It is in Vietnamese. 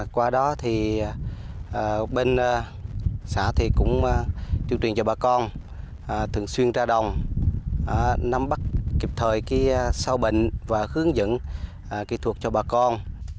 qua đó thì bên xã thì cũng tuyên truyền cho bà con thường xuyên ra đồng nắm bắt kịp thời sâu bệnh và hướng dẫn kỹ thuật cho bà con